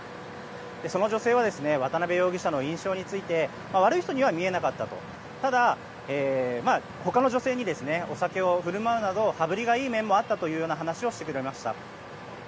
その女性は渡邉容疑者の印象について悪い人には見えなかったが他の女性にお酒を振る舞うなど羽振りがいい面もあったという話をしてくれました。